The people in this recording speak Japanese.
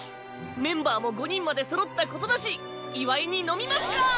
メンバーも五人までそろったことだし祝いに飲みますか！